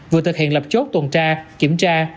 vừa thực hiện lập chốt tuần tra kiểm tra